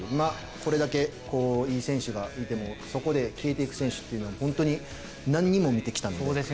これだけいい選手がいてもそこで消えていく選手っていうのはホントに何人も見てきたので。